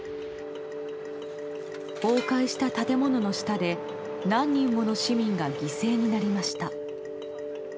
崩壊した建物の下で何人もの市民が犠牲になりました。